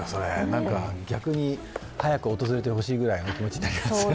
逆に早く訪れてほしいくらいの気持ちですね。